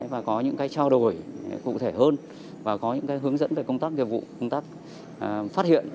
và có những trao đổi cụ thể hơn và có những hướng dẫn về công tác nghiệp vụ công tác phát hiện